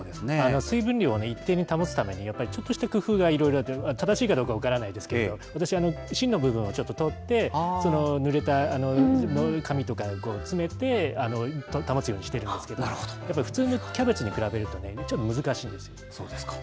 水分量を一定に保つために、やっぱりちょっとした工夫がいろいろ、正しいかどうか分からないですけど、私、芯の部分を取って、ぬれた紙とか詰めて、保つようにしてるんですけど、やっぱり普通のキャベツに比べるとそうですか。